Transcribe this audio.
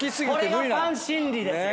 これがファン心理ですよ。